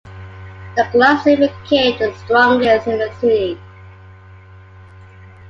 The club soon became the strongest in the city.